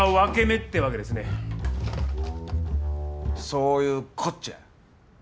そういうこっちゃ。